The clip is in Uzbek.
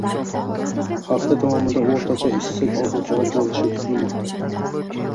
Hafta davomida o‘rtacha issiq ob-havo bo‘lishi kutilmoqda